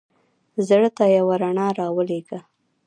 زړه ته یوه رڼا را ولېږه.